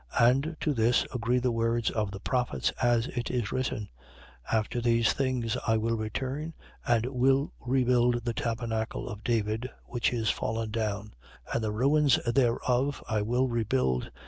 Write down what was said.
15:15. And to this agree the words of the prophets, as it is written: 15:16. After these things I will return and will rebuild the tabernacle of David, which is fallen down: and the ruins thereof I will rebuild.